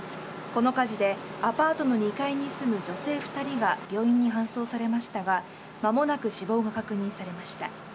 この火事で、アパートの２階に住む女性２人が病院に搬送されましたが、まもなく死亡が確認されました。